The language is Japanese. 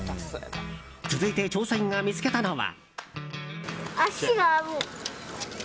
続いて調査員が見つけたのは。